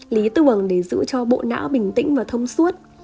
lý tưởng để giữ cho bộ não bình tĩnh và thông suốt